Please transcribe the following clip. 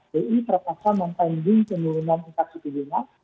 bi terpaksa mempending penurunan pingsat suku lima